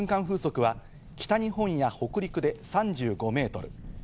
風速は北日本や北陸で３５メートル。